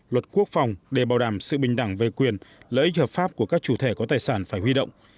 lợi ích hợp pháp của các chủ thể có tài sản phải huy động